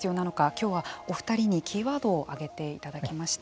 今日は、お二人にキーワードを挙げていただきました。